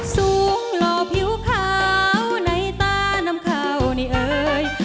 สูงหล่อผิวขาวในตาน้ำขาวนี่เอ่ย